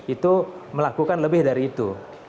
itu melakukan lebih dari itu